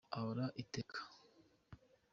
Ahoraho iteka